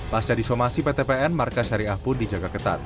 pas jadi somasi pt pn markas syariah pun dijaga ketat